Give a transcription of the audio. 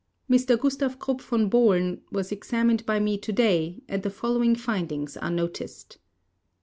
Mr. Gustav Krupp von Bohlen was examined by me today, and the following findings are noticed.